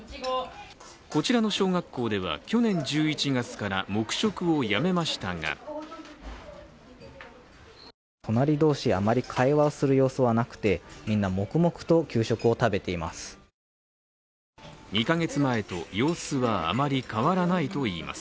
こちらの小学校では去年１１月から黙食をやめましたが隣同士、あまり会話をする様子はなくてみんな黙々と給食を食べています。